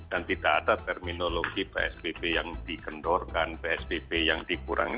dan tidak ada terminologi psbb yang dikendorkan psbb yang dikurangkan